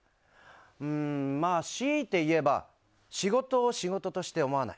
うーん、まあしいて言えば仕事を仕事として思わない。